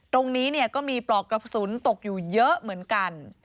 ตรงนี้เนี่ยก็มีปลอกกระสุนตกอยู่เยอะเหมือนกัน